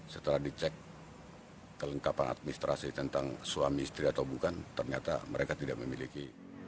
setelah dicek kelengkapan administrasi tentang suami istri atau bukan ternyata mereka tidak memiliki